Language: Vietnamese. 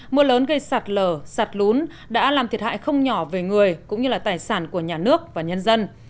mưa lớn gây sạt lở sạt lún đã làm thiệt hại không nhỏ về người cũng như là tài sản của nhà nước và nhân dân